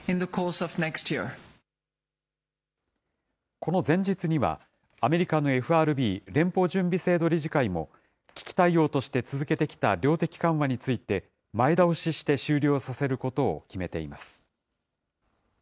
この前日には、アメリカのＦＲＢ・連邦準備制度理事会も、危機対応として続けてきた量的緩和について、前倒しして終了させることを決めています。